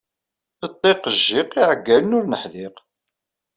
Ṭṭiq jjiq iɛeggalen ur neḥdiq!